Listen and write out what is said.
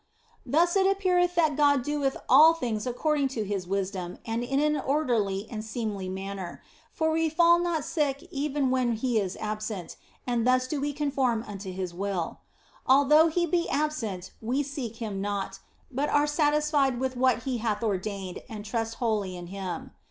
Thus it appeareth that God doeth all things according to His wisdom and in an orderly and seemly manner ; for we fall not sick even when He is absent, and thus do we conform unto His will. Although He be absent we seek Him not, but are satisfied with what He hath ordained and trust wholly in Him.